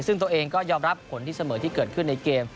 ซึ่งตัวเองก็ยอมรับผลที่เสมอที่เกิดขึ้นในเกม